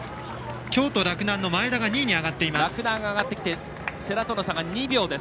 京都の洛南の前田２位に上がっています。